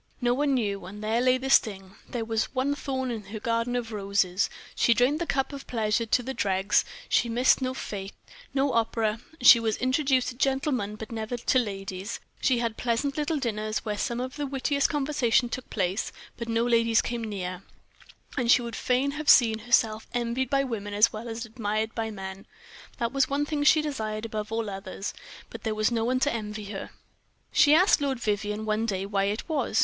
No one knew, and there lay the sting; there was the one thorn in her garden of roses; she drained the cup of pleasure to the dregs; she missed no fete, no opera; she was introduced to gentlemen, but never to ladies; she had pleasant little dinners, where some of the wittiest conversation took place, but no ladies came near; and she would fain have seen herself envied by women as well as admired by men; that was the one thing she desired above all others. But there was no one to envy her. She asked Lord Vivianne one day why it was.